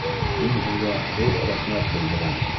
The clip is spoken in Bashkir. Мин һеҙгә ҙур рәхмәт белдерәм